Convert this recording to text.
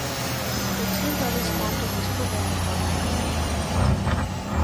The two brothers formed a musical band called Nightmare and The Cat.